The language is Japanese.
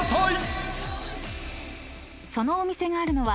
［そのお店があるのは］